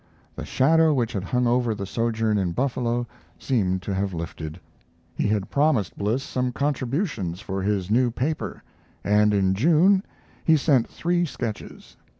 The shadow which had hung over the sojourn in Buffalo seemed to have lifted. He had promised Bliss some contributions for his new paper, and in June he sent three sketches.